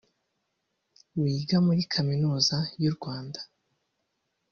wiga muri Kaminuza y’u Rwanda